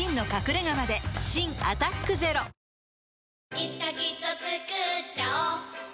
いつかきっとつくっちゃおう